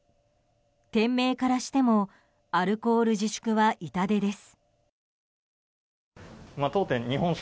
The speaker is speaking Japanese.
店名からしてもアルコール自粛は痛手です。